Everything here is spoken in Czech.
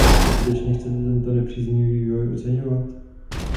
Skutečně chcete tento nepříznivý vývoj oceňovat?